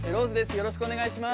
よろしくお願いします。